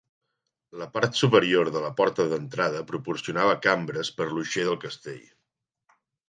La part superior de la porta d'entrada proporcionava cambres per l"uixer del castell.